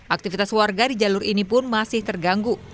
aktivitas warga di jalur ini pun masih terganggu